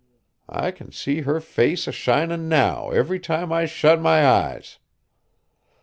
I can see her face a shinin' now every time I shet my eyes.